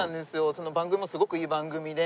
その番組もすごくいい番組で。